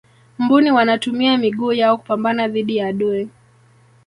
mbuni wanatumia miguu yao kupambana dhidi ya adui